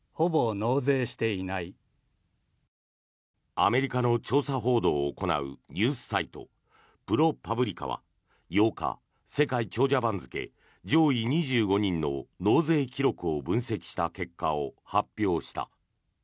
アメリカの調査報道を行うニュースサイトプロパブリカは８日世界長者番付上位２５人の納税記録を分析した結果を発表した。